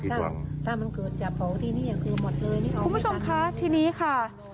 ถ้ามันเกิดจับโผล่ทีนี้คือหมดเลยคุณผู้ชมคะทีนี้ค่ะ